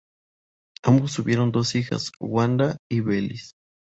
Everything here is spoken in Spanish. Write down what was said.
Ambos tuvieron dos hijas, Wanda y Bellis.